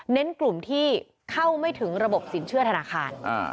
กลุ่มที่เข้าไม่ถึงระบบสินเชื่อธนาคาร